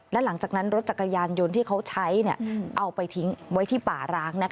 และหลังจากนั้นรถจักรยานยนต์ที่เขาใช้เอาไปทิ้งไว้ที่ป่าร้าง